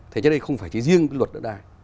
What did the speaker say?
thể chế đây không phải riêng cái luật đất đai